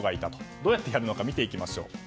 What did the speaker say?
どうやってやるのか見ていきましょう。